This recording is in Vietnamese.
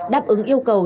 đáp ứng yêu cầu